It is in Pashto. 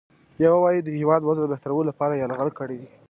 یا ووایو د هیواد د وضع بهترولو لپاره یرغل کړی دی.